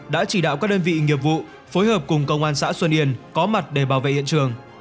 đã chỉ đạo các đơn vị nghiệp vụ phối hợp cùng công an xã xuân yên có mặt để bảo vệ hiện trường